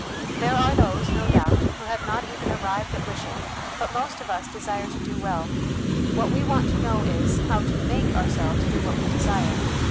There are those, no doubt, who have riot even arrived at wishing, but most of us desire to do well ; what we want to know is, how to make our selves do what we desire.